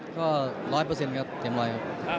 ก็๑๐๐กรับเต็ม๑๐๐พร้อมครับ